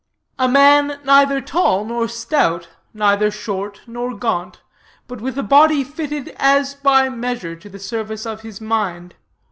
A man neither tall nor stout, neither short nor gaunt; but with a body fitted, as by measure, to the service of his mind.